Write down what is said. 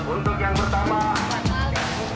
untuk yang pertama dari bahwa siang hari ini